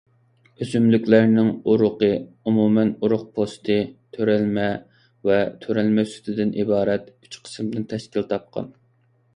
ئۆسۈملۈكلەرنىڭ ئۇرۇقى ئومۇمەن ئۇرۇق پوستى، تۆرەلمە ۋە تۆرەلمە سۈتىدىن ئىبارەت ئۈچ قىسىمدىن تەشكىل تاپقان.